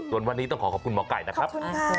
ส่วนวันนี้ต้องขอขอบคุณหมอไก่นะครับ